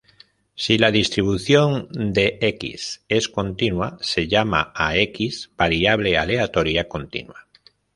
Si la distribución de "X" es continua, se llama a "X" variable aleatoria continua.